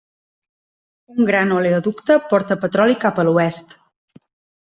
Un gran oleoducte porta petroli cap a l'oest.